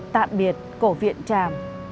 tạm biệt cổ viện tràm